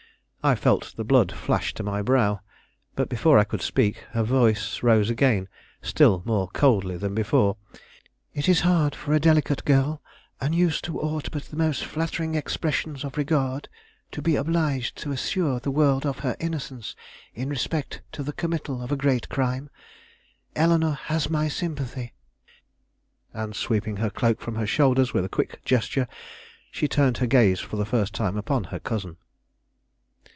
I felt the blood flash to my brow, but before I could speak, her voice rose again still more coldly than before. "It is hard for a delicate girl, unused to aught but the most flattering expressions of regard, to be obliged to assure the world of her innocence in respect to the committal of a great crime. Eleanore has my sympathy." And sweeping her cloak from her shoulders with a quick gesture, she turned her gaze for the first time upon her cousin.